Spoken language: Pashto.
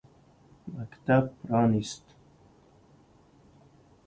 مکتب پرانیست.